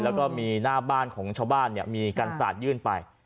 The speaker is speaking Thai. แล้วก็มีหน้าบ้านของชาวบ้านมีการสาดยื่นไป